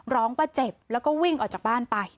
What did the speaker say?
ร้องเข้ามาเจ็บแล้วก็วิ่งออกจากบ้านไป